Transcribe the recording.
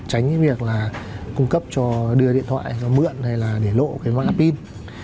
tránh việc cung cấp cho đưa điện thoại mượn hay để lộ mạng app in